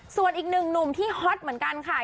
ส่วนอีกหนึ่งหนุ่มที่ฮอตเหมือนกันค่ะ